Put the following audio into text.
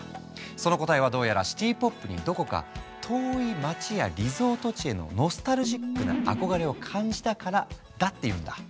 その答えはどうやらシティ・ポップにどこか遠い街やリゾート地へのノスタルジックな憧れを感じたからだっていうんだ。